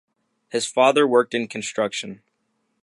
His father worked in construction.